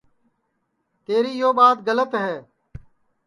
تیری یو ٻات گلت ہے